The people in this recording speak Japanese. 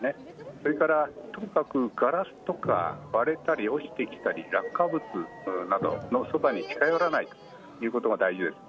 それから、とにかくガラスとか割れたり落ちてきたり落下物などのそばに近寄らないということが大事です。